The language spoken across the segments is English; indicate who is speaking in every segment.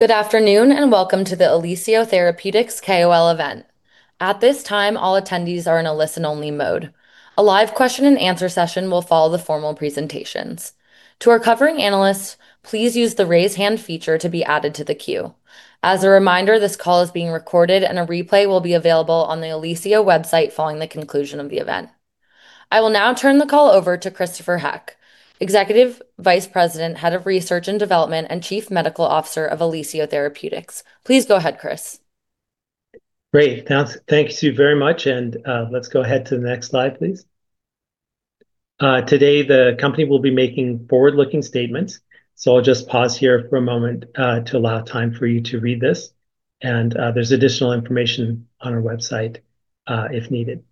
Speaker 1: Good afternoon and welcome to the Elicio Therapeutics KOL event. At this time, all attendees are in a listen-only mode. A live question and answer session will follow the formal presentations. To our covering analysts, please use the raise hand feature to be added to the queue. As a reminder, this call is being recorded and a replay will be available on the Elicio website following the conclusion of the event. I will now turn the call over to Christopher Haqq, Executive Vice President, Head of Research and Development, and Chief Medical Officer of Elicio Therapeutics. Please go ahead, Chris.
Speaker 2: Great. Thank you very much. Let's go ahead to the next slide, please. Today, the company will be making forward-looking statements, so I'll just pause here for a moment to allow time for you to read this. There's additional information on our website, if needed.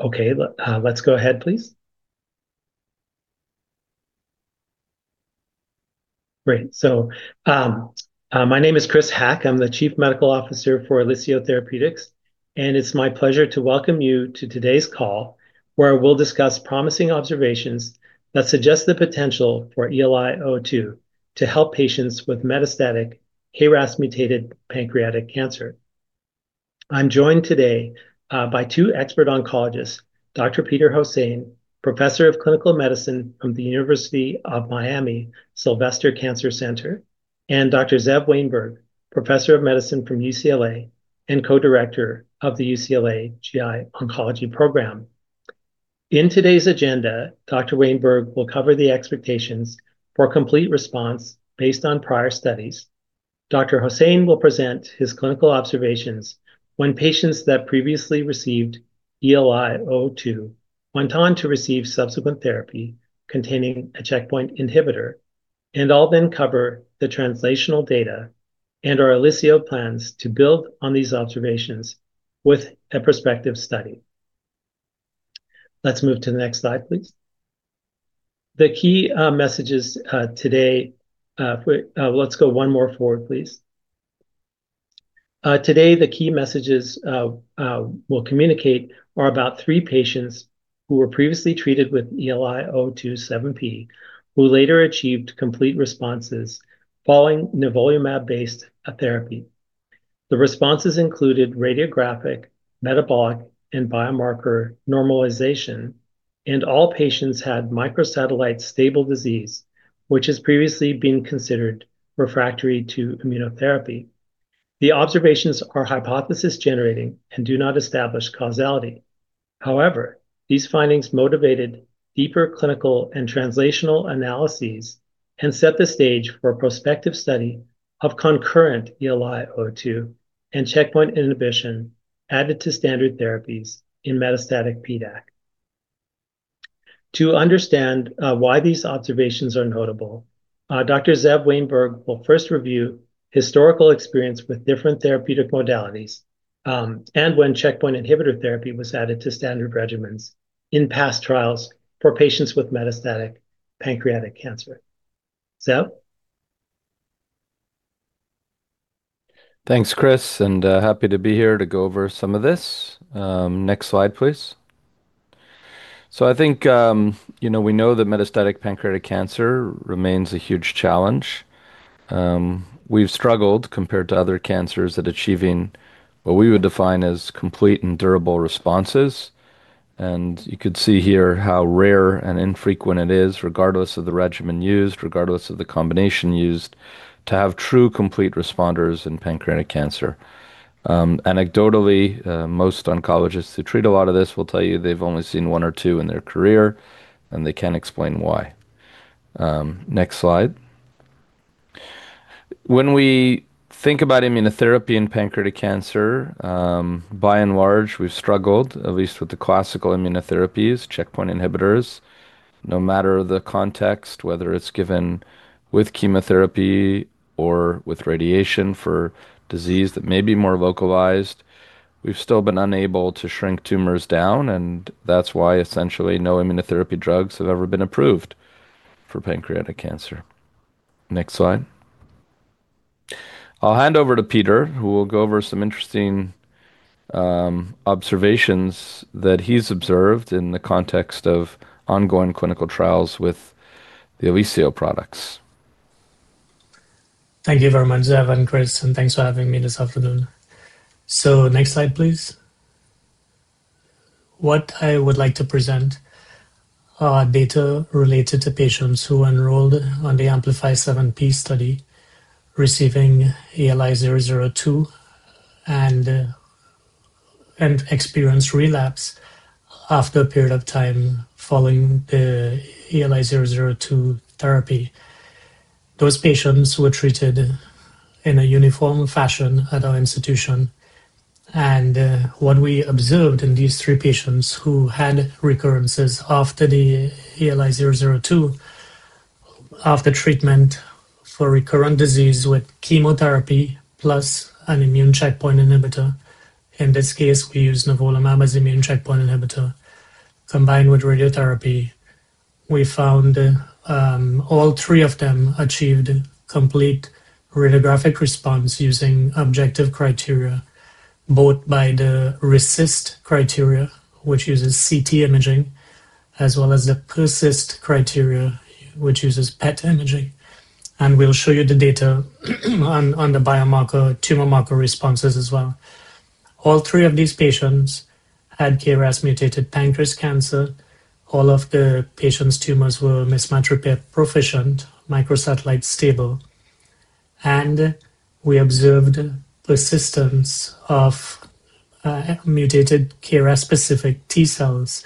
Speaker 2: Okay. Let's go ahead, please. Great. My name is Chris Haqq. I'm the Chief Medical Officer for Elicio Therapeutics, and it's my pleasure to welcome you to today's call, where I will discuss promising observations that suggest the potential for ELI-002 to help patients with metastatic KRAS-mutated pancreatic cancer. I'm joined today by two expert oncologists, Dr. Peter Hosein, Professor of Clinical Medicine from the University of Miami Sylvester Comprehensive Cancer Center, and Dr. Zev Wainberg, Professor of Medicine from UCLA and Co-director of the UCLA Health Gastrointestinal Oncology Program. In today's agenda, Dr. Wainberg will cover the expectations for complete response based on prior studies. Dr. Hosein will present his clinical observations when patients that previously received ELI-002 went on to receive subsequent therapy containing a checkpoint inhibitor. I'll then cover the translational data and our Elicio plans to build on these observations with a prospective study. Let's move to the next slide, please. Let's go one more forward, please. Today, the key messages we'll communicate are about three patients who were previously treated with ELI-002 7P, who later achieved complete responses following nivolumab-based therapy. The responses included radiographic, metabolic, and biomarker normalization, and all patients had microsatellite stable disease, which has previously been considered refractory to immunotherapy. The observations are hypothesis-generating and do not establish causality. However, these findings motivated deeper clinical and translational analyses and set the stage for a prospective study of concurrent ELI-002 and checkpoint inhibition added to standard therapies in metastatic PDAC. To understand why these observations are notable, Dr. Zev Wainberg will first review historical experience with different therapeutic modalities, and when checkpoint inhibitor therapy was added to standard regimens in past trials for patients with metastatic pancreatic cancer. Zev?
Speaker 3: Thanks, Chris, happy to be here to go over some of this. Next slide, please. I think we know that metastatic pancreatic cancer remains a huge challenge. We've struggled compared to other cancers at achieving what we would define as complete and durable responses. You could see here how rare and infrequent it is, regardless of the regimen used, regardless of the combination used, to have true complete responders in pancreatic cancer. Anecdotally, most oncologists who treat a lot of this will tell you they've only seen one or two in their career, and they can't explain why. Next slide. When we think about immunotherapy in pancreatic cancer, by and large, we've struggled, at least with the classical immunotherapies, checkpoint inhibitors. No matter the context, whether it's given with chemotherapy or with radiation for disease that may be more localized, we've still been unable to shrink tumors down. That's why essentially no immunotherapy drugs have ever been approved for pancreatic cancer. Next slide. I'll hand over to Peter, who will go over some interesting observations that he's observed in the context of ongoing clinical trials with the Elicio products.
Speaker 4: Thank you very much, Zev and Chris, and thanks for having me this afternoon. Next slide, please. What I would like to present are data related to patients who enrolled on the AMPLIFY-7P study, receiving ELI-002 and experienced relapse after a period of time following the ELI-002 therapy. Those patients were treated in a uniform fashion at our institution. What we observed in these three patients who had recurrences after the ELI-002, after treatment for recurrent disease with chemotherapy plus an immune checkpoint inhibitor, in this case, we used nivolumab as immune checkpoint inhibitor combined with radiotherapy. We found all three of them achieved complete radiographic response using objective criteria both by the RECIST criteria, which uses CT imaging, as well as the PERCIST criteria, which uses PET imaging. We'll show you the data on the biomarker, tumor marker responses as well. All three of these patients had KRAS-mutated pancreas cancer. All of the patients' tumors were mismatch repair proficient, microsatellite stable. We observed persistence of mutated KRAS-specific T cells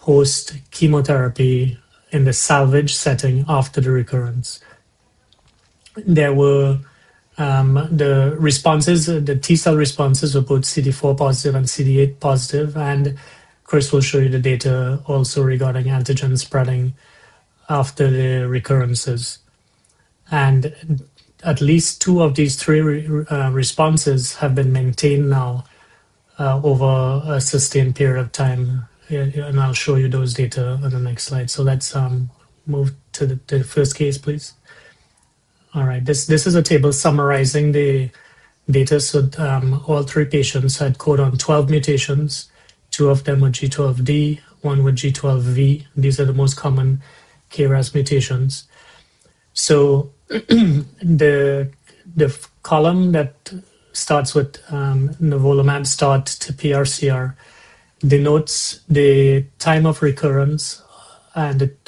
Speaker 4: post-chemotherapy in the salvage setting after the recurrence. The T cell responses were both CD4 positive and CD8 positive. Chris will show you the data also regarding antigen spreading after the recurrences. At least two of these three responses have been maintained now over a sustained period of time, and I'll show you those data on the next slide. Let's move to the first case, please. All right. This is a table summarizing the data. All three patients had codon 12 mutations. Two of them were G12D, one were G12V. These are the most common KRAS mutations. The column that starts with nivolumab start to PR/CR denotes the time of recurrence,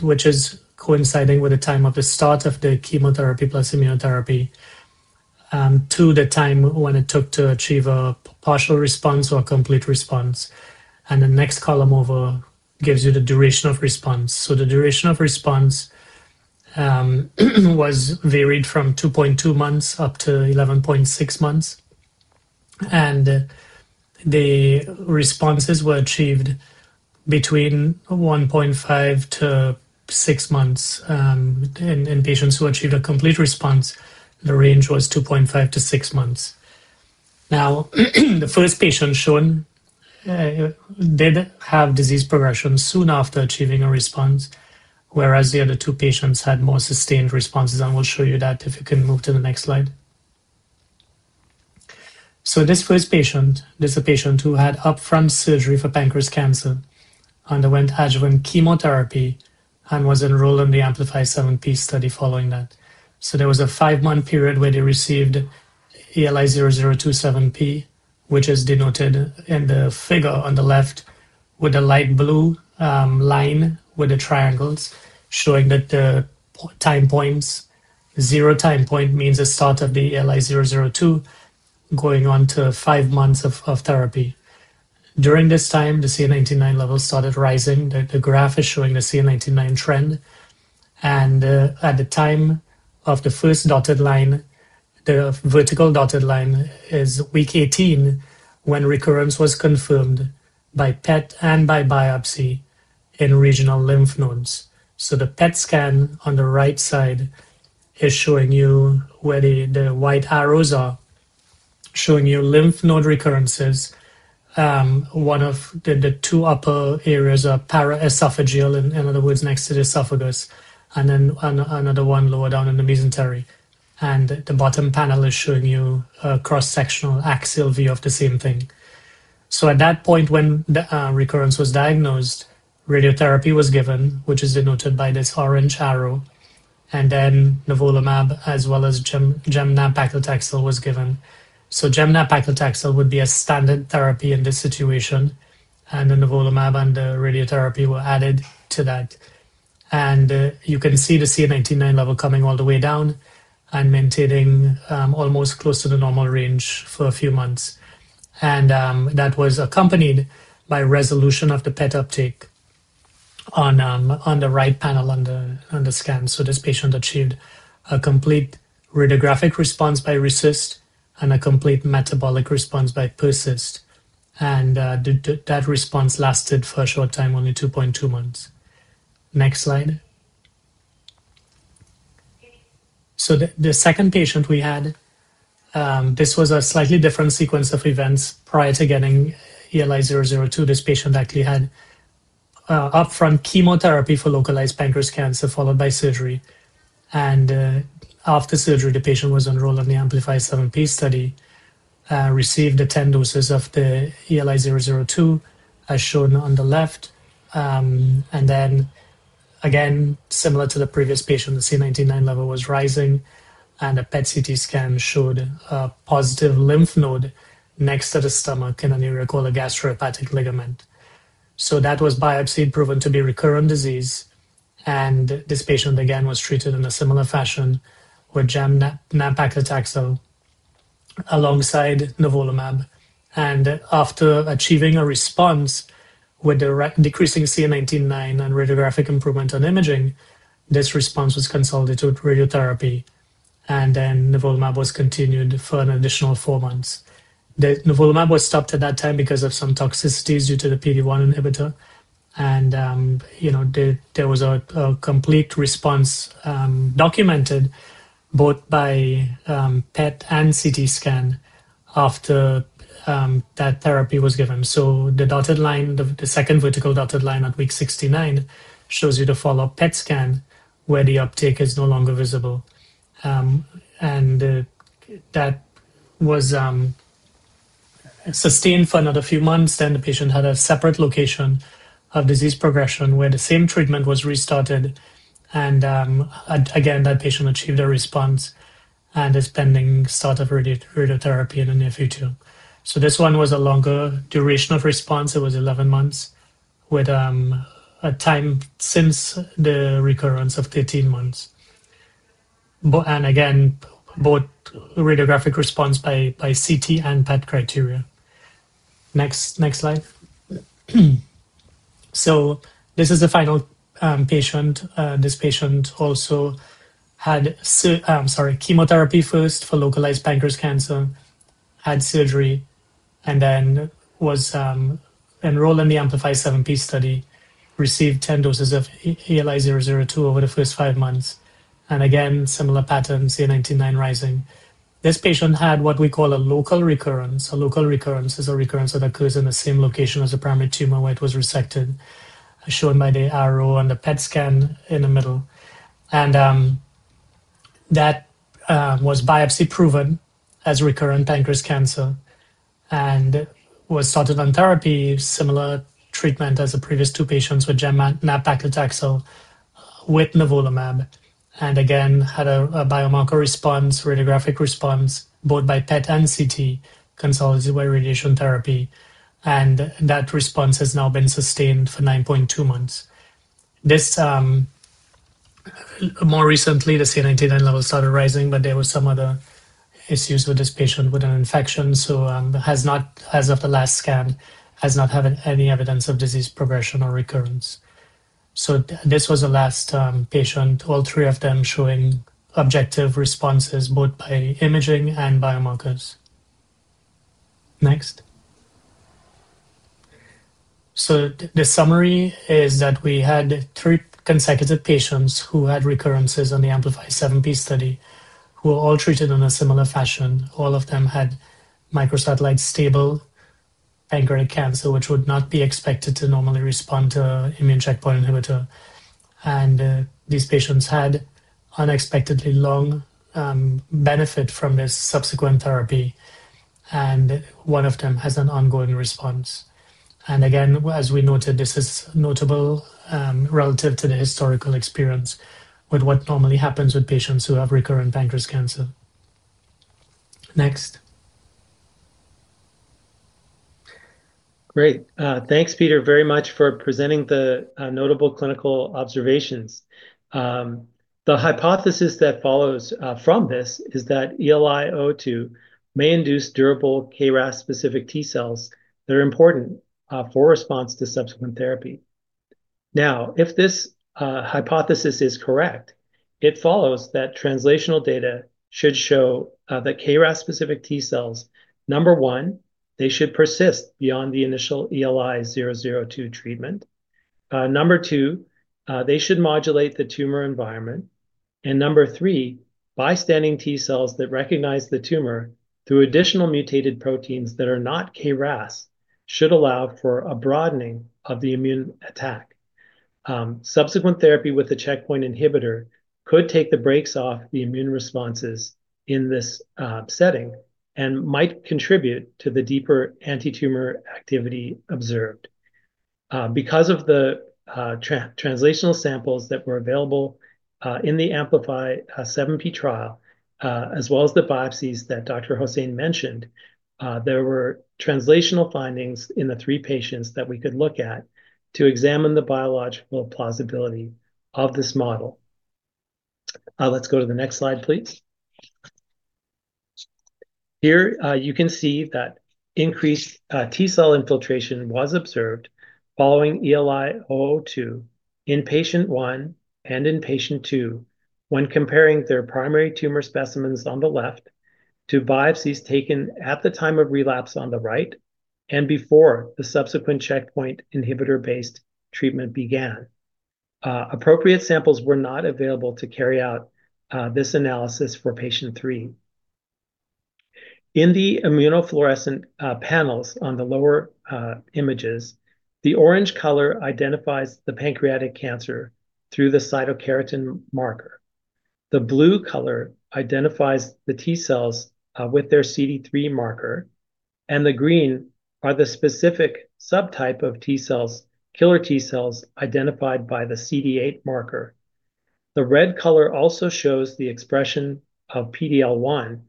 Speaker 4: which is coinciding with the time of the start of the chemotherapy plus immunotherapy, to the time when it took to achieve a partial response or a complete response. The next column over gives you the duration of response. The duration of response was varied from 2.2 months-11.6 months. The responses were achieved between 1.5-6 months, and patients who achieved a complete response, the range was 2.5-6 months. The first patient shown did have disease progression soon after achieving a response, whereas the other two patients had more sustained responses. We'll show you that if you can move to the next slide. This first patient, this is a patient who had upfront surgery for pancreas cancer, underwent adjuvant chemotherapy and was enrolled in the AMPLIFY-7P study following that. There was a five-month period where they received ELI-002 7P, which is denoted in the figure on the left with a light blue line with the triangles showing that the time points. 0 time point means the start of the ELI-002 going on to five months of therapy. During this time, the CA 19-9 levels started rising. The graph is showing the CA 19-9 trend. At the time of the first dotted line, the vertical dotted line is week 18 when recurrence was confirmed by PET and by biopsy in regional lymph nodes. The PET scan on the right side is showing you where the white arrows are, showing you lymph node recurrences. One of the two upper areas are paraesophageal, in other words, next to the esophagus, and then another one lower down in the mesentery. The bottom panel is showing you a cross-sectional axial view of the same thing. At that point when the recurrence was diagnosed, radiotherapy was given, which is denoted by this orange arrow, and then nivolumab as well as gemcitabine paclitaxel was given. Gemcitabine paclitaxel would be a standard therapy in this situation, and the nivolumab and the radiotherapy were added to that. You can see the CA 19-9 level coming all the way down and maintaining almost close to the normal range for a few months. That was accompanied by resolution of the PET uptake on the right panel on the scan. This patient achieved a complete radiographic response by RECIST and a complete metabolic response by PERCIST. That response lasted for a short time, only 2.2 months. Next slide. The second patient we had, this was a slightly different sequence of events. Prior to getting ELI-002, this patient actually had upfront chemotherapy for localized pancreas cancer, followed by surgery. After surgery, the patient was enrolled on the AMPLIFY-7P study, received the 10 doses of the ELI-002, as shown on the left. Then again, similar to the previous patient, the CA 19-9 level was rising and a PET-CT scan showed a positive lymph node next to the stomach in an area called the gastrohepatic ligament. That was biopsied, proven to be recurrent disease, and this patient again was treated in a similar fashion with gemcitabine paclitaxel alongside nivolumab. After achieving a response with decreasing CA 19-9 and radiographic improvement on imaging, this response was consolidated with radiotherapy. The nivolumab was continued for an additional four months. The nivolumab was stopped at that time because of some toxicities due to the PD-1 inhibitor. There was a complete response documented both by PET and CT scan after that therapy was given. The second vertical dotted line at week 69 shows you the follow-up PET scan where the uptake is no longer visible. It sustained for another few months. The patient had a separate location of disease progression where the same treatment was restarted. Again, that patient achieved a response and is pending start of radiotherapy in the near future. This one was a longer duration of response. It was 11 months with a time since the recurrence of 13 months. Again, both radiographic response by CT and PET criteria. Next slide. This is the final patient. This patient also had chemotherapy first for localized pancreas cancer, had surgery. Then was enrolled in the AMPLIFY-7P study, received 10 doses of ELI-002 over the first five months. Again, similar patterns, CA 19-9 rising. This patient had what we call a local recurrence. A local recurrence is a recurrence that occurs in the same location as a primary tumor where it was resected, as shown by the arrow and the PET scan in the middle. That was biopsy-proven as recurrent pancreas cancer and was started on therapy, similar treatment as the previous two patients with gemcitabine paclitaxel with nivolumab. Again, had a biomarker response, radiographic response, both by PET and CT, consolidated by radiation therapy. That response has now been sustained for 9.2 months. More recently, the CA 19-9 levels started rising, but there were some other issues with this patient with an infection, so as of the last scan, has not had any evidence of disease progression or recurrence. This was the last patient, all three of them showing objective responses, both by imaging and biomarkers. Next. The summary is that we had three consecutive patients who had recurrences on the AMPLIFY-7P study who were all treated in a similar fashion. All of them had microsatellite stable pancreatic cancer, which would not be expected to normally respond to immune checkpoint inhibitor. These patients had unexpectedly long benefit from this subsequent therapy, and one of them has an ongoing response. Again, as we noted, this is notable relative to the historical experience with what normally happens with patients who have recurrent pancreas cancer. Next.
Speaker 2: Great. Thanks, Peter, very much for presenting the notable clinical observations. The hypothesis that follows from this is that ELI-002 may induce durable KRAS-specific T cells that are important for response to subsequent therapy. If this hypothesis is correct, it follows that translational data should show that KRAS-specific T cells, number one, they should persist beyond the initial ELI-002 treatment. Number two, they should modulate the tumor environment. Number three, bystanding T cells that recognize the tumor through additional mutated proteins that are not KRAS should allow for a broadening of the immune attack. Subsequent therapy with a checkpoint inhibitor could take the brakes off the immune responses in this setting and might contribute to the deeper antitumor activity observed. Because of the translational samples that were available in the AMPLIFY-7P trial, as well as the biopsies that Dr. Hosein mentioned, there were translational findings in the three patients that we could look at to examine the biological plausibility of this model. Let's go to the next slide, please. Here, you can see that increased T cell infiltration was observed following ELI-002 in patient one and in patient two when comparing their primary tumor specimens on the left to biopsies taken at the time of relapse on the right and before the subsequent checkpoint inhibitor-based treatment began. Appropriate samples were not available to carry out this analysis for patient three. In the immunofluorescent panels on the lower images, the orange color identifies the pancreatic cancer through the cytokeratin marker. The blue color identifies the T cells with their CD3 marker, and the green are the specific subtype of T cells, killer T cells, identified by the CD8 marker. The red color also shows the expression of PD-L1,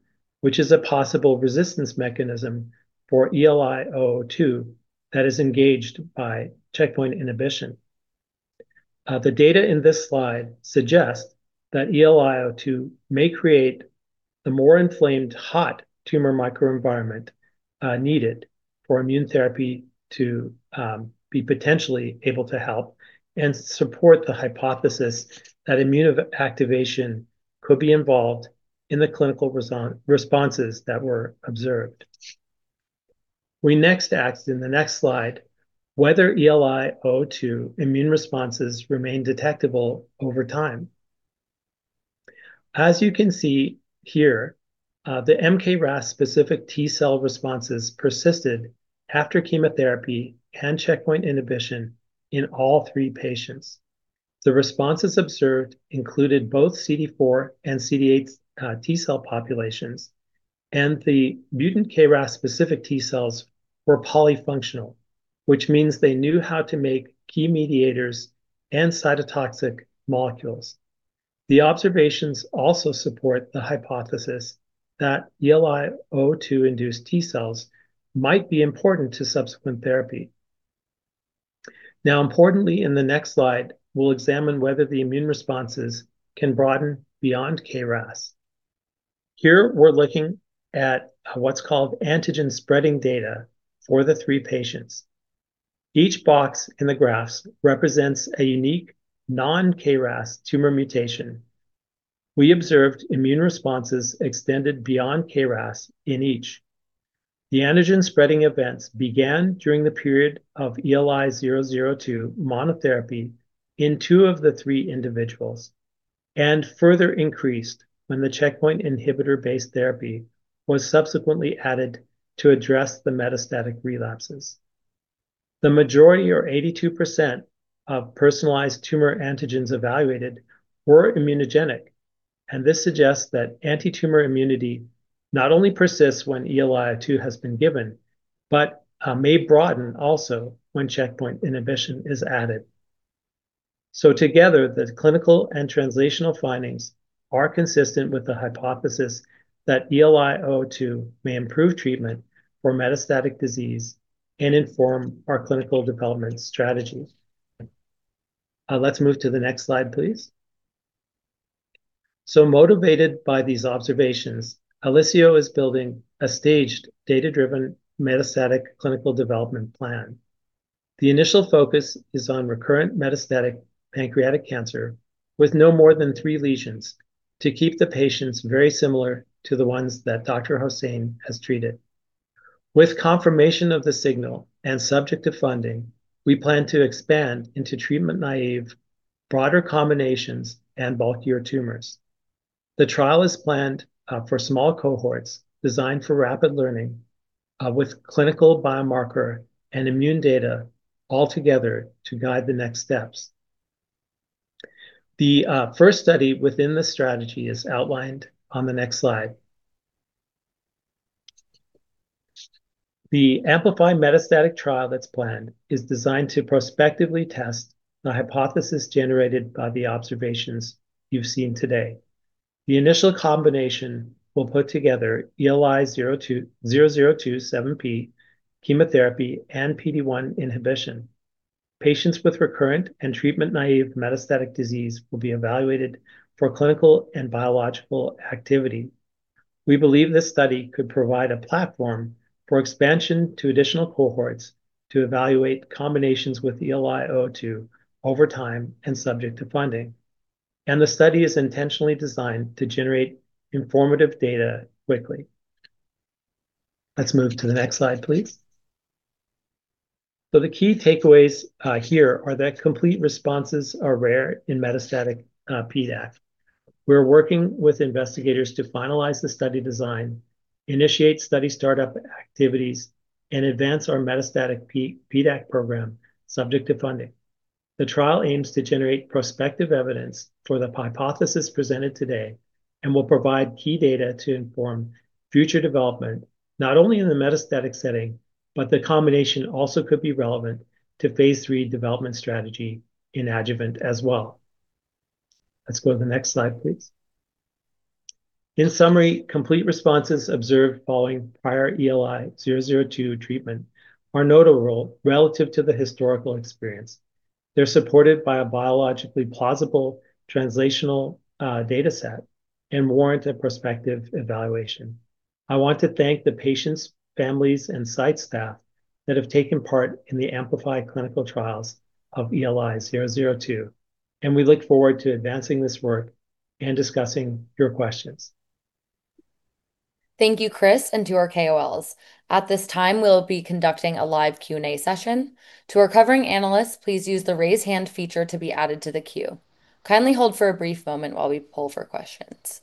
Speaker 2: which is a possible resistance mechanism for ELI-002 that is engaged by checkpoint inhibition. The data in this slide suggests that ELI-002 may create the more inflamed hot tumor microenvironment needed for immune therapy to be potentially able to help and support the hypothesis that immunoactivation could be involved in the clinical responses that were observed. We next asked in the next slide, whether ELI-002 immune responses remain detectable over time. As you can see here, the mKRAS specific T-cell responses persisted after chemotherapy and checkpoint inhibition in all three patients. The responses observed included both CD4 and CD8 T cell populations and the mutant KRAS-specific T cells were polyfunctional, which means they knew how to make key mediators and cytotoxic molecules. The observations also support the hypothesis that ELI-002 induced T cells might be important to subsequent therapy. Importantly, in the next slide, we'll examine whether the immune responses can broaden beyond KRAS. Here we're looking at what's called antigen spreading data for the three patients. Each box in the graphs represents a unique non-KRAS tumor mutation. We observed immune responses extended beyond KRAS in each. The antigen-spreading events began during the period of ELI-002 monotherapy in two of the three individuals and further increased when the checkpoint inhibitor-based therapy was subsequently added to address the metastatic relapses. The majority or 82% of personalized tumor antigens evaluated were immunogenic, and this suggests that anti-tumor immunity not only persists when ELI-002 has been given but may broaden also when checkpoint inhibition is added. Together, the clinical and translational findings are consistent with the hypothesis that ELI-002 may improve treatment for metastatic disease and inform our clinical development strategy. Let's move to the next slide, please. Motivated by these observations, Elicio is building a staged data-driven metastatic clinical development plan. The initial focus is on recurrent metastatic pancreatic cancer with no more than three lesions to keep the patients very similar to the ones that Dr. Hosein has treated. With confirmation of the signal and subject to funding, we plan to expand into treatment-naive, broader combinations, and bulkier tumors. The trial is planned for small cohorts designed for rapid learning, with clinical biomarker and immune data altogether to guide the next steps. The first study within the strategy is outlined on the next slide. The AMPLIFY Metastatic trial that's planned is designed to prospectively test the hypothesis generated by the observations you've seen today. The initial combination will put together ELI-002 7P, chemotherapy, and PD-1 inhibition. Patients with recurrent and treatment-naive metastatic disease will be evaluated for clinical and biological activity. We believe this study could provide a platform for expansion to additional cohorts to evaluate combinations with ELI-002 over time and subject to funding. The study is intentionally designed to generate informative data quickly. Let's move to the next slide, please. The key takeaways here are that complete responses are rare in metastatic PDAC. We're working with investigators to finalize the study design, initiate study start-up activities, and advance our metastatic PDAC program, subject to funding. The trial aims to generate prospective evidence for the hypothesis presented today and will provide key data to inform future development, not only in the metastatic setting, but the combination also could be relevant to phase III development strategy in adjuvant as well. Let's go to the next slide, please. In summary, complete responses observed following prior ELI-002 treatment are notable relative to the historical experience. They're supported by a biologically plausible translational dataset and warrant a prospective evaluation. I want to thank the patients, families, and site staff that have taken part in the AMPLIFY clinical trials of ELI-002, and we look forward to advancing this work and discussing your questions.
Speaker 1: Thank you, Chris, and to our KOLs. At this time, we'll be conducting a live Q&A session. To our covering analysts, please use the raise hand feature to be added to the queue. Kindly hold for a brief moment while we poll for questions.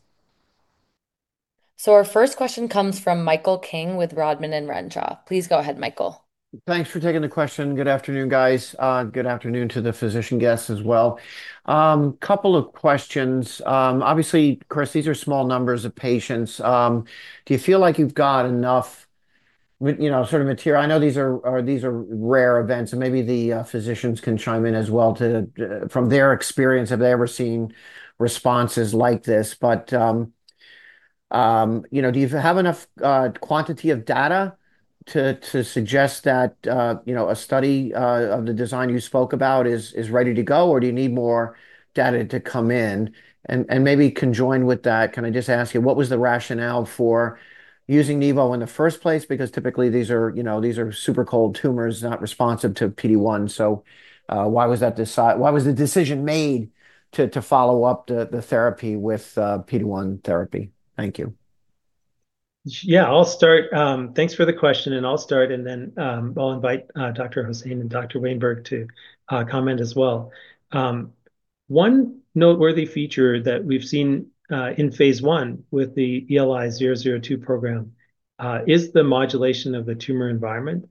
Speaker 1: Our first question comes from Michael King with Rodman & Renshaw. Please go ahead, Michael.
Speaker 5: Thanks for taking the question. Good afternoon, guys. Good afternoon to the physician guests as well. Couple of questions. Obviously, Chris, these are small numbers of patients. Do you feel like you've got enough sort of material? I know these are rare events and maybe the physicians can chime in as well from their experience. Have they ever seen responses like this? Do you have enough quantity of data to suggest that a study of the design you spoke about is ready to go? Do you need more data to come in? Maybe conjoined with that, can I just ask you what was the rationale for using nivo in the first place? Because typically these are super cold tumors, not responsive to PD-1. Why was the decision made to follow up the therapy with PD-1 therapy? Thank you.
Speaker 2: I'll start. Thanks for the question. I'll start, then I'll invite Dr. Hosein and Dr. Wainberg to comment as well. One noteworthy feature that we've seen in phase I with the ELI-002 program is the modulation of the tumor environment.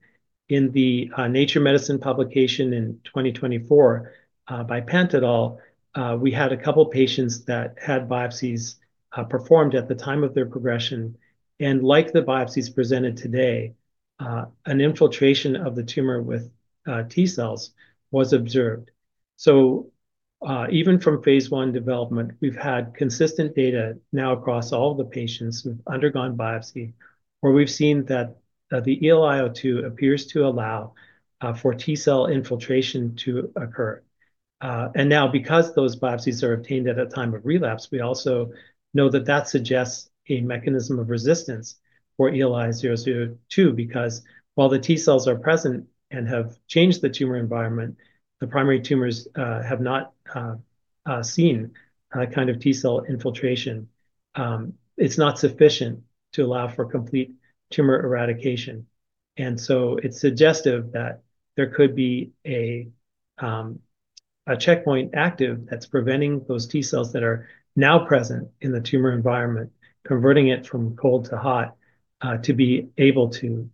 Speaker 2: In the Nature Medicine publication in 2024, by Pant et al., we had a couple patients that had biopsies performed at the time of their progression. Like the biopsies presented today, an infiltration of the tumor with T cells was observed. Even from phase I development, we've had consistent data now across all the patients who've undergone biopsy, where we've seen that the ELI-002 appears to allow for T-cell infiltration to occur. Now because those biopsies are obtained at a time of relapse, we also know that that suggests a mechanism of resistance for ELI-002, because while the T cells are present and have changed the tumor environment, the primary tumors have not seen a kind of T cell infiltration. It's not sufficient to allow for complete tumor eradication. It's suggestive that there could be a checkpoint active that's preventing those T cells that are now present in the tumor environment, converting it from cold to hot, to be able to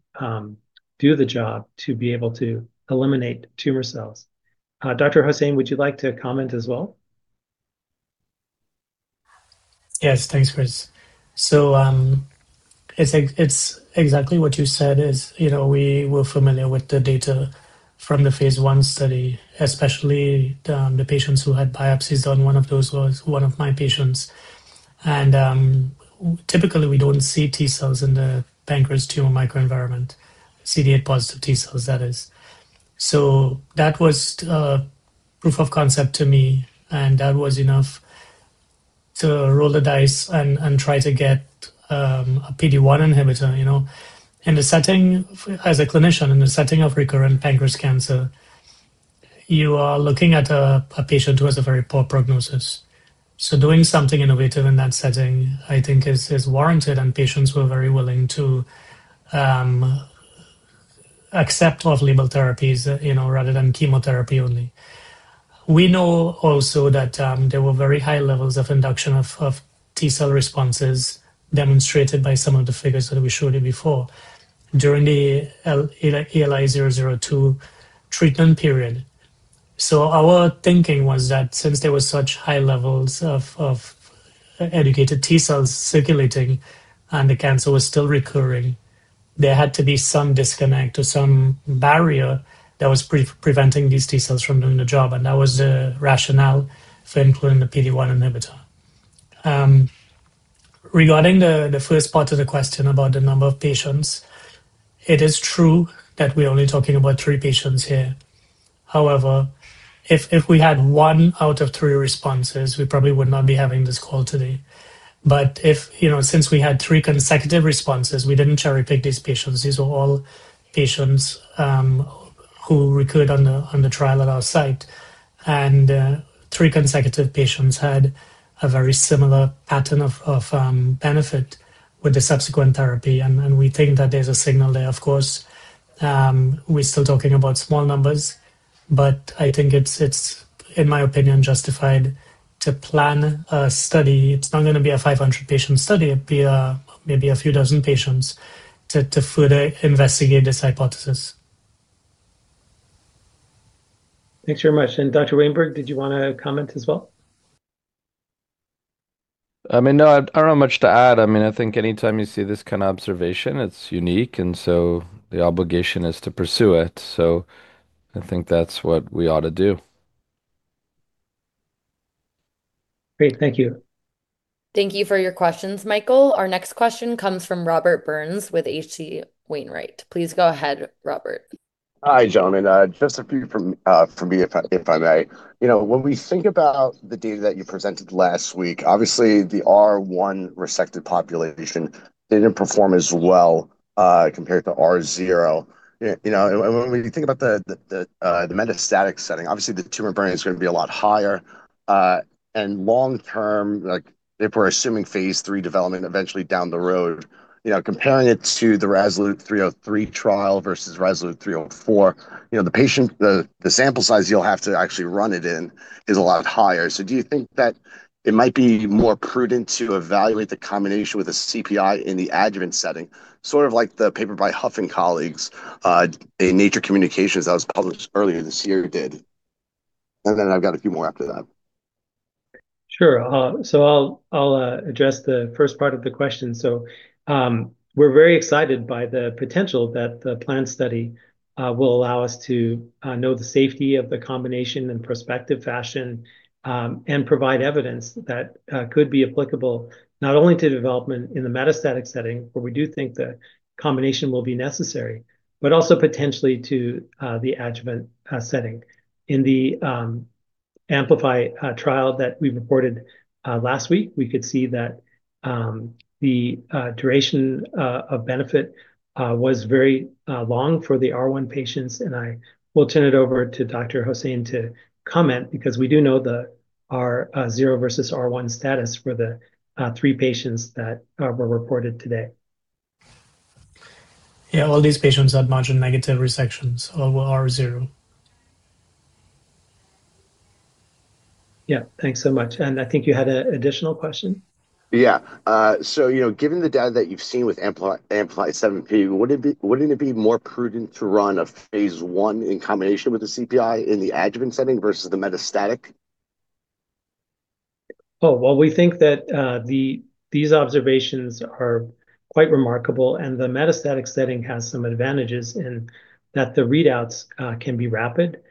Speaker 2: do the job, to be able to eliminate tumor cells. Dr. Hosein, would you like to comment as well?
Speaker 4: Yes. Thanks, Chris. It's exactly what you said is, we were familiar with the data from the phase I study, especially the patients who had biopsies done. One of those was one of my patients. Typically, we don't see T cells in the pancreas tumor microenvironment, CD8 positive T cells, that is. That was a proof of concept to me, and that was enough to roll the dice and try to get a PD-1 inhibitor. As a clinician in the setting of recurrent pancreas cancer, you are looking at a patient who has a very poor prognosis. Doing something innovative in that setting, I think, is warranted and patients were very willing to accept off-label therapies, rather than chemotherapy only. We know also that there were very high levels of induction of T cell responses demonstrated by some of the figures that we showed you before during the ELI-002 treatment period. Our thinking was that since there was such high levels of educated T cells circulating and the cancer was still recurring, there had to be some disconnect or some barrier that was preventing these T cells from doing the job. That was the rationale for including the PD-1 inhibitor. Regarding the first part of the question about the number of patients, it is true that we're only talking about three patients here. However, if we had one out of three responses, we probably would not be having this call today. Since we had three consecutive responses, we didn't cherry-pick these patients. These were all patients who recurred on the trial at our site. Three consecutive patients had a very similar pattern of benefit with the subsequent therapy. We think that there's a signal there. Of course, we're still talking about small numbers, but I think it's, in my opinion, justified to plan a study. It's not going to be a 500-patient study. It'd be maybe a few dozen patients to further investigate this hypothesis.
Speaker 2: Thanks very much. Dr. Wainberg, did you want to comment as well?
Speaker 3: No, I don't have much to add. I think anytime you see this kind of observation, it's unique and so the obligation is to pursue it. I think that's what we ought to do.
Speaker 2: Great. Thank you.
Speaker 1: Thank you for your questions, Michael. Our next question comes from Robert Burns with H.C. Wainwright. Please go ahead, Robert.
Speaker 6: Hi, gentlemen. Just a few from me, if I may. When we think about the data that you presented last week, obviously the R1 resected population didn't perform as well compared to R0. When we think about the metastatic setting, obviously the tumor burden is going to be a lot higher. Long-term, if we're assuming phase III development eventually down the road, comparing it to the RASalute-303 trial versus RASalute-304, the sample size you'll have to actually run it in is a lot higher. Do you think that it might be more prudent to evaluate the combination with a CPI in the adjuvant setting? Sort of like the paper by Huff and colleagues, in Nature Communications that was published earlier this year did. Then I've got a few more after that.
Speaker 2: Sure. I'll address the first part of the question. We're very excited by the potential that the planned study will allow us to know the safety of the combination in prospective fashion, and provide evidence that could be applicable not only to development in the metastatic setting, where we do think the combination will be necessary, but also potentially to the adjuvant setting. In the AMPLIFY trial that we reported last week, we could see that the duration of benefit was very long for the R1 patients. I will turn it over to Dr. Hosein to comment because we do know the R0 versus R1 status for the three patients that were reported today.
Speaker 4: Yeah. All these patients had margin negative resections, all were R0.
Speaker 2: Yeah. Thanks so much. I think you had an additional question?
Speaker 6: Yeah. Given the data that you've seen with AMPLIFY-7P, wouldn't it be more prudent to run a phase I in combination with the CPI in the adjuvant setting versus the metastatic?
Speaker 2: Oh, well, we think that these observations are quite remarkable. The metastatic setting has some advantages in that the readouts can be rapid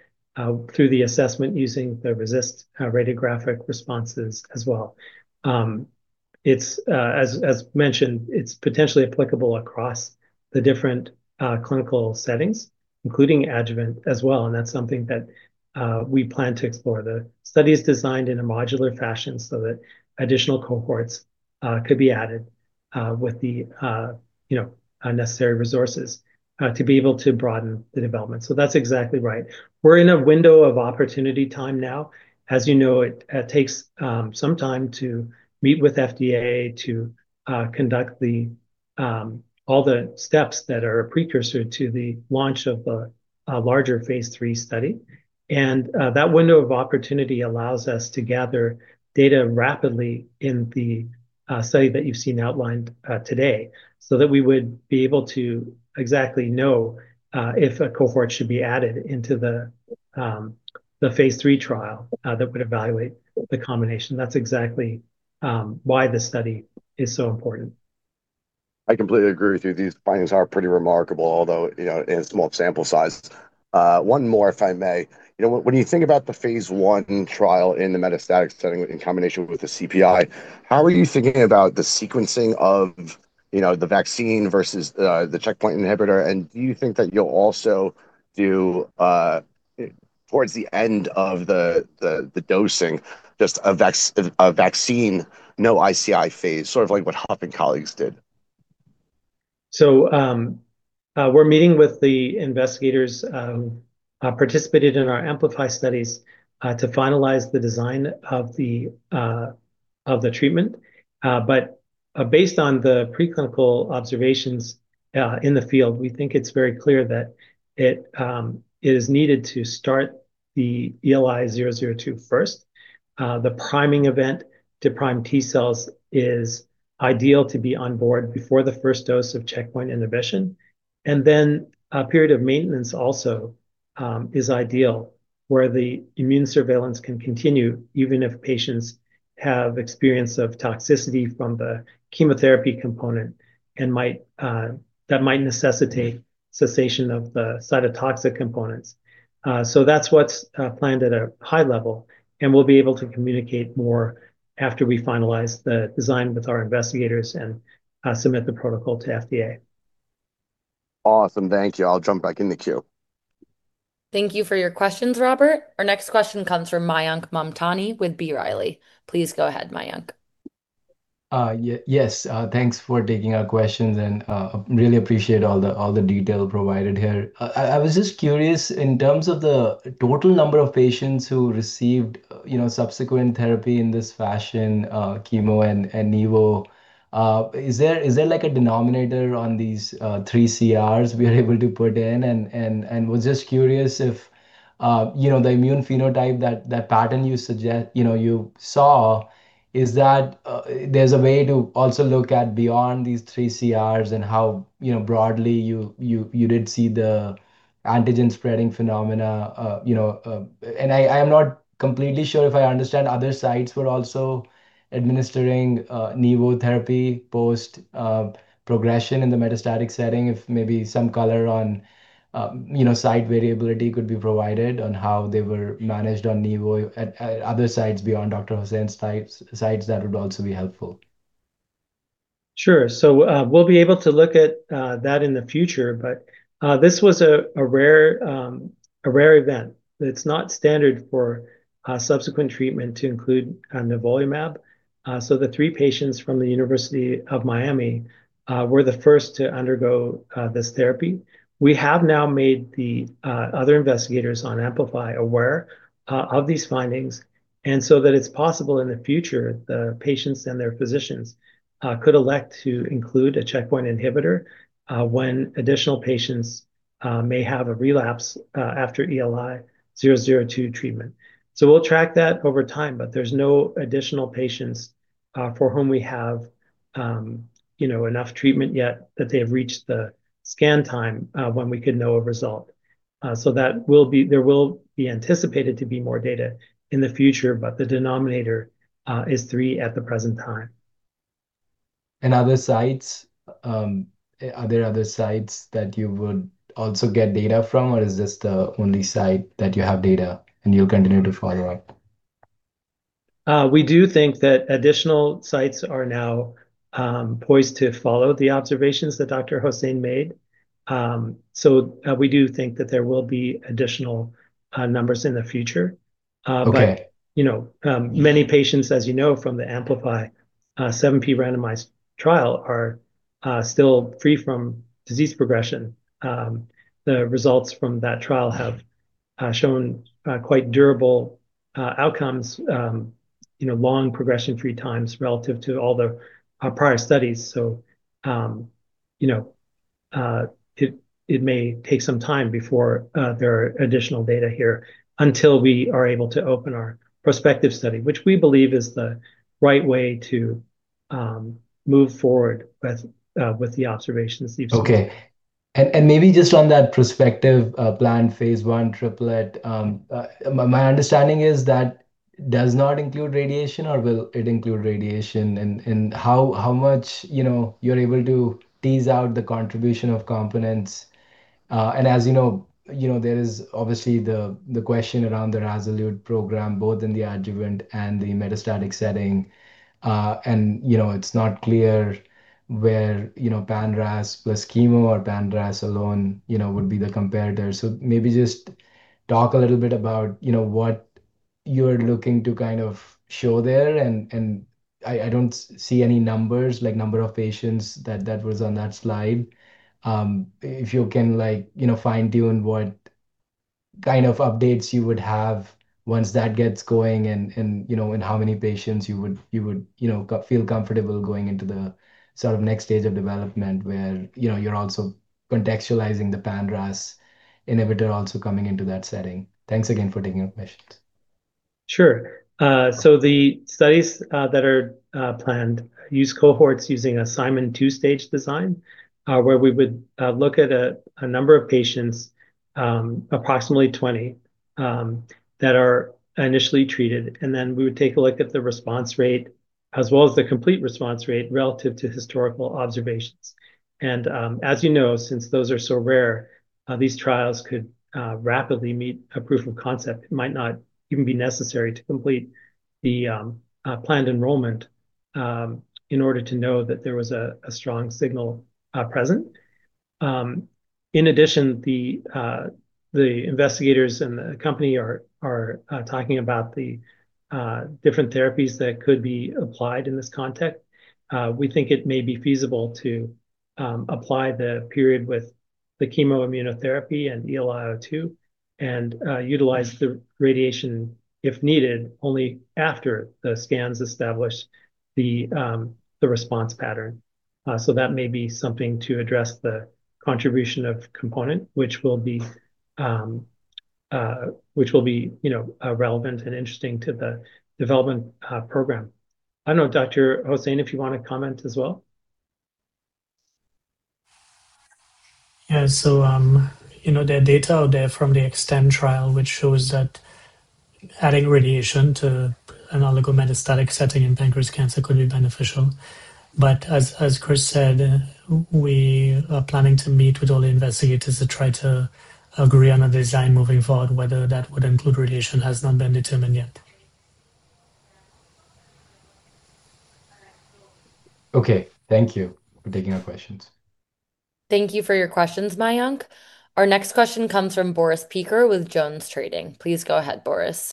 Speaker 2: through the assessment using the RECIST radiographic responses as well. As mentioned, it's potentially applicable across the different clinical settings, including adjuvant as well, and that's something that we plan to explore. The study is designed in a modular fashion that additional cohorts could be added with the necessary resources to be able to broaden the development. That's exactly right. We're in a window of opportunity time now. As you know, it takes some time to meet with FDA to conduct all the steps that are a precursor to the launch of a larger phase III study. That window of opportunity allows us to gather data rapidly in the study that you've seen outlined today, that we would be able to exactly know if a cohort should be added into the phase III trial that would evaluate the combination. That's exactly why this study is so important.
Speaker 6: I completely agree with you. These findings are pretty remarkable, although in small sample sizes. One more, if I may. When you think about the phase I trial in the metastatic setting in combination with the CPI, how are you thinking about the sequencing of the vaccine versus the checkpoint inhibitor? Do you think that you'll also do, towards the end of the dosing, just a vaccine, no ICI phase, sort of like what Huff and colleagues did?
Speaker 2: We're meeting with the investigators who participated in our AMPLIFY studies, to finalize the design of the treatment. Based on the preclinical observations in the field, we think it's very clear that it is needed to start the ELI-002 first. The priming event to prime T cells is ideal to be on board before the first dose of checkpoint inhibition. Then a period of maintenance also is ideal, where the immune surveillance can continue, even if patients have experience of toxicity from the chemotherapy component that might necessitate cessation of the cytotoxic components. That's what's planned at a high level, and we'll be able to communicate more after we finalize the design with our investigators and submit the protocol to FDA.
Speaker 6: Awesome. Thank you. I'll jump back in the queue.
Speaker 1: Thank you for your questions, Robert. Our next question comes from Mayank Mamtani with B. Riley. Please go ahead, Mayank.
Speaker 7: Yes. Thanks for taking our questions, really appreciate all the detail provided here. I was just curious in terms of the total number of patients who received subsequent therapy in this fashion, chemo and nivo. Is there like a denominator on these three CRs we are able to put in? Was just curious if the immune phenotype, that pattern you saw, is that there's a way to also look at beyond these three CRs and how broadly you did see the antigen spreading phenomena? I am not completely sure if I understand, other sites were also administering nivo therapy post-progression in the metastatic setting. If maybe some color on site variability could be provided on how they were managed on nivo at other sites beyond Dr. Hosein's sites, that would also be helpful.
Speaker 2: Sure. We'll be able to look at that in the future. This was a rare event. It's not standard for subsequent treatment to include nivolumab. The three patients from the University of Miami were the first to undergo this therapy. We have now made the other investigators on AMPLIFY aware of these findings, so that it's possible in the future the patients and their physicians could elect to include a checkpoint inhibitor when additional patients may have a relapse after ELI-002 treatment. We'll track that over time, but there's no additional patients for whom we have enough treatment yet that they have reached the scan time when we could know a result. There will be anticipated to be more data in the future, but the denominator is three at the present time.
Speaker 7: Other sites, are there other sites that you would also get data from, or is this the only site that you have data and you'll continue to follow up?
Speaker 2: We do think that additional sites are now poised to follow the observations that Dr. Hosein made. We do think that there will be additional numbers in the future. Many patients, as you know from the AMPLIFY-7P randomized trial are still free from disease progression. The results from that trial have shown quite durable outcomes, long progression-free times relative to all the prior studies. It may take some time before there are additional data here until we are able to open our prospective study, which we believe is the right way to move forward with the observations we've seen.
Speaker 7: Okay. Maybe just on that prospective planned phase I triplet. My understanding is that does not include radiation or will it include radiation? How much you're able to tease out the contribution of components. As you know, there is obviously the question around the RASalute program, both in the adjuvant and the metastatic setting. It's not clear where pan-RAS plus chemo or pan-RAS alone would be the comparator. Maybe just talk a little bit about what you're looking to show there. I don't see any numbers, like number of patients that was on that slide. If you can fine-tune what kind of updates you would have once that gets going and how many patients you would feel comfortable going into the next stage of development where you're also contextualizing the pan-RAS inhibitor also coming into that setting. Thanks again for taking our questions.
Speaker 2: Sure. The studies that are planned use cohorts using a Simon two-stage design, where we would look at a number of patients, approximately 20, that are initially treated, then we would take a look at the response rate as well as the complete response rate relative to historical observations. As you know, since those are so rare, these trials could rapidly meet a proof of concept. It might not even be necessary to complete the planned enrollment in order to know that there was a strong signal present. In addition, the investigators and the company are talking about the different therapies that could be applied in this context. We think it may be feasible to apply the period with the chemoimmunotherapy and ELI-002 and utilize the radiation if needed, only after the scans establish the response pattern. That may be something to address the contribution of component, which will be relevant and interesting to the development program. I don't know, Dr. Hosein, if you want to comment as well.
Speaker 4: Yeah. There are data out there from the EXTEND trial, which shows that adding radiation to an oligometastatic setting in pancreas cancer could be beneficial. As Chris said, we are planning to meet with all the investigators to try to agree on a design moving forward. Whether that would include radiation has not been determined yet.
Speaker 7: Okay. Thank you for taking our questions.
Speaker 1: Thank you for your questions, Mayank. Our next question comes from Boris Peaker with JonesTrading. Please go ahead, Boris.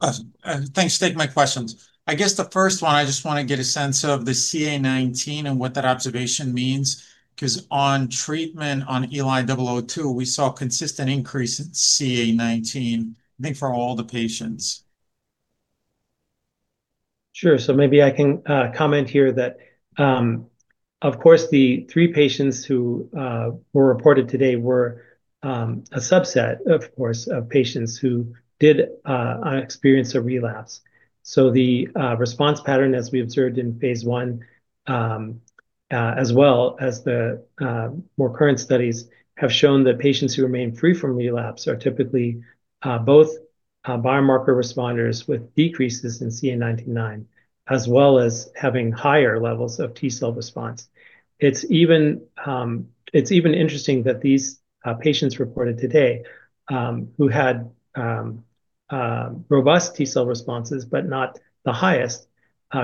Speaker 8: Awesome. Thanks. Take my questions. I guess the first one, I just want to get a sense of the CA 19-9 and what that observation means. On treatment on ELI-002, we saw a consistent increase in CA 19-9, I think, for all the patients.
Speaker 2: Maybe I can comment here that, of course, the three patients who were reported today were a subset, of course, of patients who did experience a relapse. The response pattern as we observed in phase I, as well as the more current studies, have shown that patients who remain free from relapse are typically both biomarker responders with decreases in CA 19-9, as well as having higher levels of T cell response. It's even interesting that these patients reported today, who had robust T cell responses, but not the highest,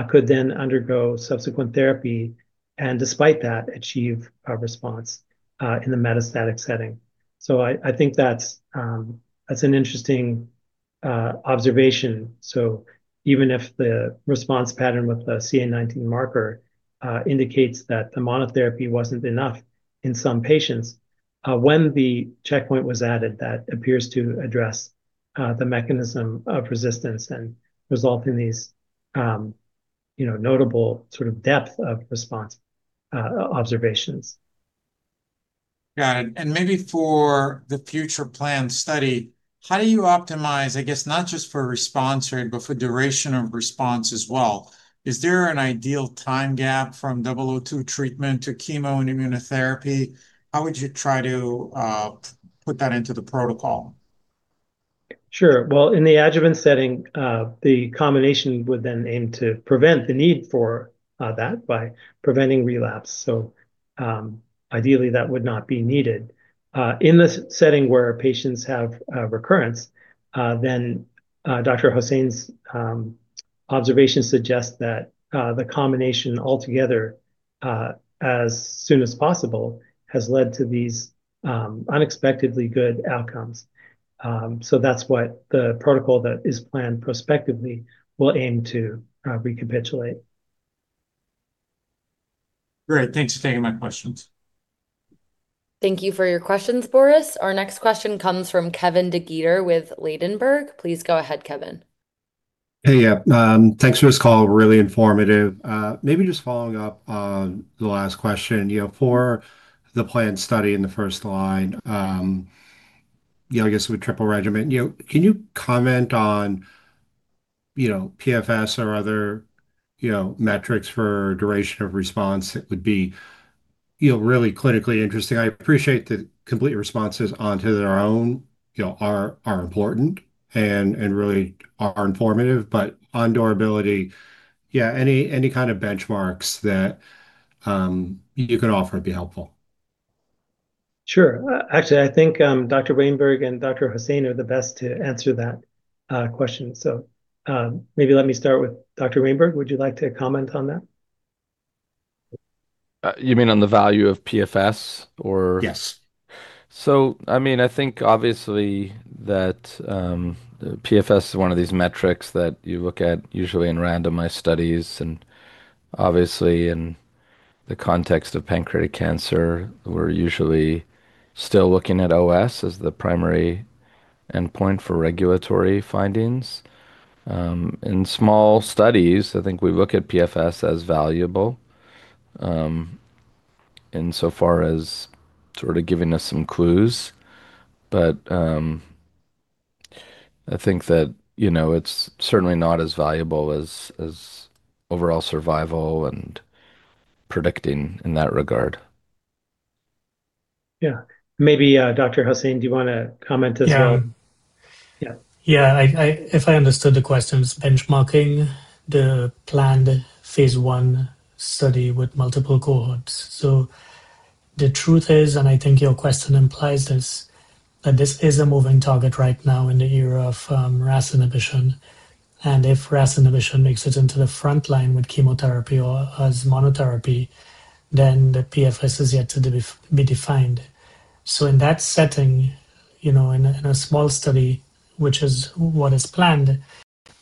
Speaker 2: could then undergo subsequent therapy and despite that, achieve a response in the metastatic setting. I think that's an interesting observation. Even if the response pattern with the CA 19-9 marker indicates that the monotherapy wasn't enough in some patients, when the checkpoint was added, that appears to address the mechanism of resistance and result in these notable sort of depth of response observations.
Speaker 8: Got it. Maybe for the future planned study, how do you optimize, I guess, not just for response rate, but for duration of response as well? Is there an ideal time gap from ELI-002 treatment to chemo and immunotherapy? How would you try to put that into the protocol?
Speaker 2: Sure. In the adjuvant setting, the combination would then aim to prevent the need for that by preventing relapse. Ideally, that would not be needed. In the setting where patients have recurrence, Dr. Hosein's observation suggests that the combination altogether As soon as possible has led to these unexpectedly good outcomes. That's what the protocol that is planned prospectively will aim to recapitulate.
Speaker 8: Great. Thanks for taking my questions.
Speaker 1: Thank you for your questions, Boris. Our next question comes from Kevin DeGeeter with Ladenburg. Please go ahead, Kevin.
Speaker 9: Hey. Yeah. Thanks for this call, really informative. Maybe just following up on the last question. For the planned study in the first-line, I guess with triple regimen. Can you comment on PFS or other metrics for duration of response that would be really clinically interesting? I appreciate the complete responses on their own are important and really are informative, but on durability, yeah, any kind of benchmarks that you can offer would be helpful.
Speaker 2: Sure. Actually, I think Dr. Wainberg and Dr. Hosein are the best to answer that question. Maybe let me start with Dr. Wainberg. Would you like to comment on that?
Speaker 3: You mean on the value of PFS or?
Speaker 2: Yes.
Speaker 3: I think obviously that PFS is one of these metrics that you look at usually in randomized studies, obviously in the context of pancreatic cancer, we're usually still looking at OS as the primary endpoint for regulatory findings. In small studies, I think we look at PFS as valuable, insofar as sort of giving us some clues. I think that it's certainly not as valuable as overall survival and predicting in that regard.
Speaker 2: Yeah. Maybe, Dr. Hosein, do you want to comment as well?
Speaker 4: Yeah. If I understood the questions, benchmarking the planned phase I study with multiple cohorts. The truth is, I think your question implies this, that this is a moving target right now in the era of RAS inhibition. If RAS inhibition makes it into the frontline with chemotherapy or as monotherapy, then the PFS is yet to be defined. In that setting, in a small study, which is what is planned,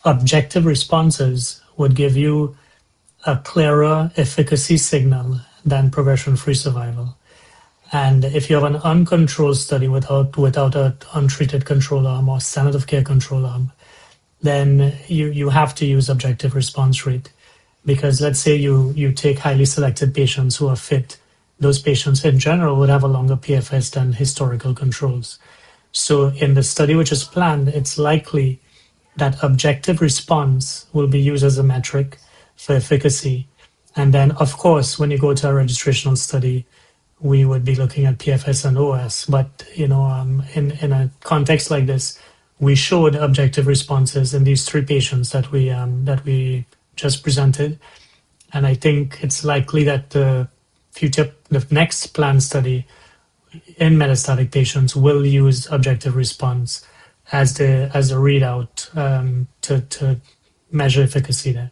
Speaker 4: objective responses would give you a clearer efficacy signal than progression-free survival. If you have an uncontrolled study without an untreated control arm or standard of care control arm, then you have to use objective response rate. Because let's say you take highly selected patients who are fit, those patients in general would have a longer PFS than historical controls. In the study, which is planned, it's likely that objective response will be used as a metric for efficacy. Of course, when you go to a registrational study, we would be looking at PFS and OS. In a context like this, we showed objective responses in these three patients that we just presented. I think it's likely that the next planned study in metastatic patients will use objective response as a readout to measure efficacy there.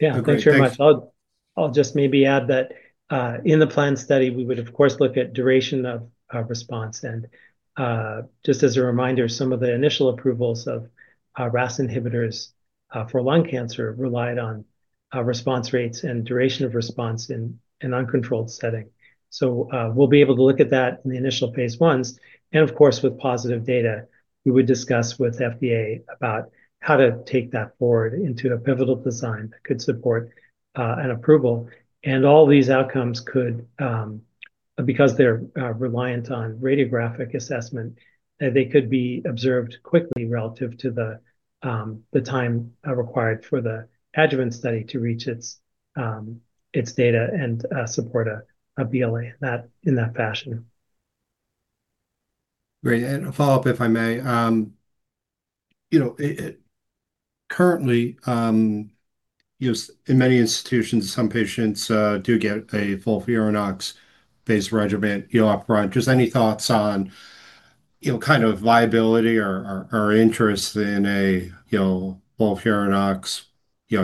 Speaker 9: Thanks very much.
Speaker 2: Yeah. I'll just maybe add that, in the planned study, we would of course look at duration of response. Just as a reminder, some of the initial approvals of RAS inhibitors for lung cancer relied on response rates and duration of response in an uncontrolled setting. We'll be able to look at that in the initial phase Is. Of course, with positive data, we would discuss with FDA about how to take that forward into a pivotal design that could support an approval. All these outcomes could, because they're reliant on radiographic assessment, they could be observed quickly relative to the time required for the adjuvant study to reach its data and support a BLA in that fashion.
Speaker 9: A follow-up, if I may. Currently, in many institutions, some patients do get a FOLFIRINOX-based regimen up front. Just any thoughts on kind of viability or interest in a FOLFIRINOX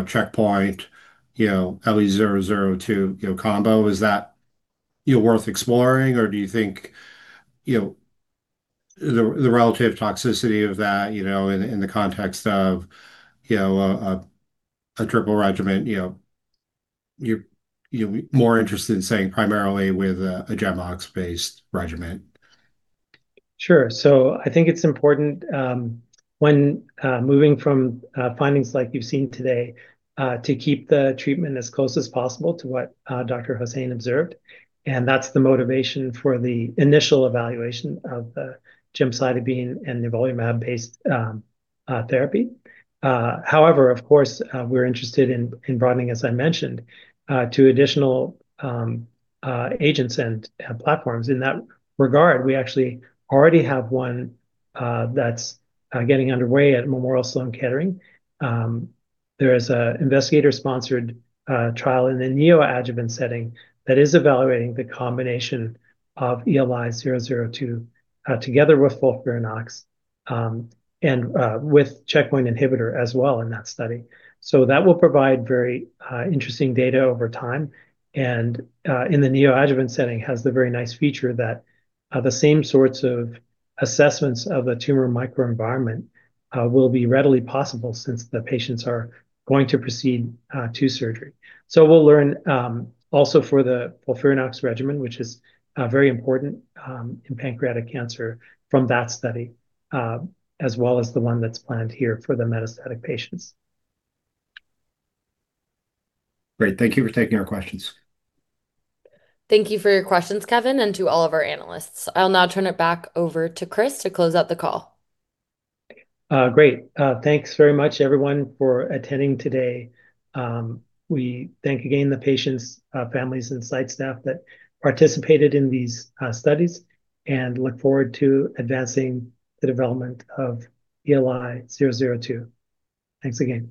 Speaker 9: checkpoint ELI-002 combo? Is that worth exploring? Or do you think the relative toxicity of that in the context of a triple regimen, you're more interested in staying primarily with a GEMOX-based regimen?
Speaker 2: Sure. I think it's important when moving from findings like you've seen today to keep the treatment as close as possible to what Dr. Hosein observed, and that's the motivation for the initial evaluation of the gemcitabine and nivolumab-based therapy. However, of course, we're interested in broadening, as I mentioned, to additional agents and platforms. In that regard, we actually already have one that's getting underway at Memorial Sloan Kettering. There is an investigator-sponsored trial in the neoadjuvant setting that is evaluating the combination of ELI-002 together with FOLFIRINOX and with checkpoint inhibitor as well in that study. That will provide very interesting data over time and, in the neoadjuvant setting, has the very nice feature that the same sorts of assessments of the tumor microenvironment will be readily possible since the patients are going to proceed to surgery. We'll learn also for the FOLFIRINOX regimen, which is very important in pancreatic cancer from that study, as well as the one that's planned here for the metastatic patients.
Speaker 9: Great. Thank you for taking our questions.
Speaker 1: Thank you for your questions, Kevin, and to all of our analysts. I'll now turn it back over to Chris to close out the call.
Speaker 2: Great. Thanks very much, everyone, for attending today. We thank again the patients, families and site staff that participated in these studies and look forward to advancing the development of ELI-002. Thanks again.